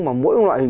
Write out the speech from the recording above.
mà mỗi loại hình